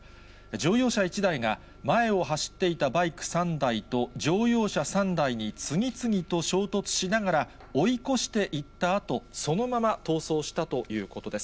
乗用車１台が、前を走っていたバイク３台と乗用車３台に次々と衝突しながら、追い越していったあと、そのまま逃走したということです。